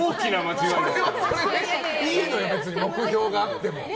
それはそれでいいのよ、別に目標があっても。